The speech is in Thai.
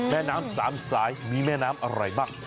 แม่น้ำสามสายมีแม่น้ำอะไรบ้าง